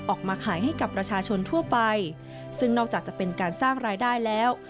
ออกมาขายให้กับประชาชนทั่วไปซึ่งนอกจากจะเป็นการสร้างรายได้แล้ว